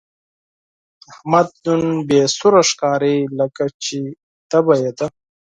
احمد نن بې سوره ښکاري، لکه چې تبه یې ده.